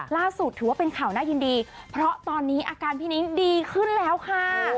ล่าสุดถือว่าเป็นข่าวน่ายินดีเพราะตอนนี้อาการพี่นิ้งดีขึ้นแล้วค่ะ